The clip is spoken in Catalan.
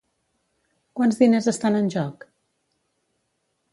Quants diners estan en joc?